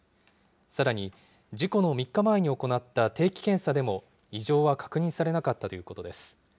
さらに、事故の３日前に行った定期検査でも、異常は確認されなかったということです。